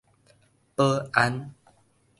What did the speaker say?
保安